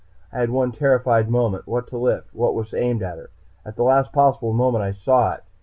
I had one terrified moment what to lift? What was aimed at her? At the last possible moment I saw it.